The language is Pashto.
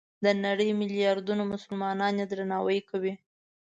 د نړۍ ملیاردونو مسلمانان یې درناوی کوي.